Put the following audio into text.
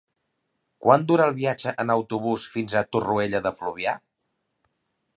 Quant dura el viatge en autobús fins a Torroella de Fluvià?